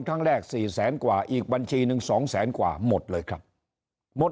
ครั้งแรกสี่แสนกว่าอีกบัญชีหนึ่งสองแสนกว่าหมดเลยครับหมด